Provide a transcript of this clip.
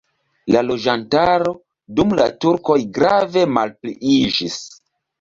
La loĝantaro dum la turkoj grave malpliiĝis.